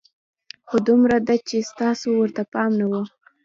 خو دومره ده چې ستاسو ورته پام نه وي.